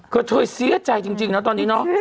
กะโถยเสียใจจริงเนอะตอนนี้เนอะ